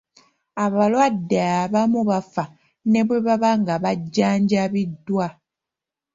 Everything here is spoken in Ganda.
Abalwadde abamu bafa ne bwe baba nga bajjanjabiddwa.